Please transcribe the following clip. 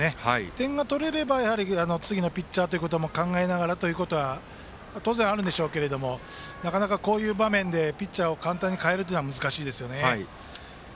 点が取れればやはり次のピッチャーも考えながらということは当然あるでしょうけどなかなかこういう場面でピッチャーを簡単に代えるのは難しいですよね。